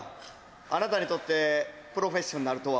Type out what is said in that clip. あなたにとってプロフェッショナルとは？